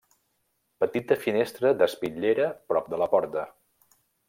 Petita finestra d'espitllera prop de la porta.